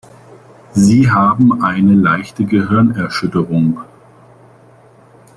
Sie haben eine leichte Gehirnerschütterung.